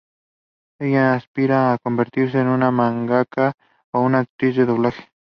Ella aspira a convertirse en una mangaka o una actriz de doblaje.